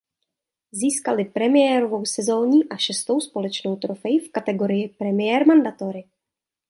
Získaly premiérovou sezónní a šestou společnou trofej v kategorii Premier Mandatory.